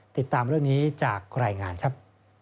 ติดตามเรื่องนี้จากรายงานครับ